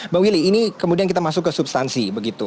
mbak willy ini kemudian kita masuk ke substansi